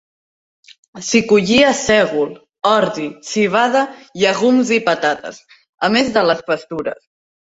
S'hi collia sègol, ordi, civada, llegums i patates, a més de les pastures.